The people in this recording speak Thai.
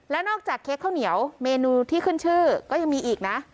แล้วนอกจากเค้กข้าวเหนียวเมนูที่ขึ้นชื่อก็ยังมีอีกนะ